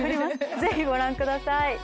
ぜひご覧ください。